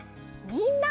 「みんな」。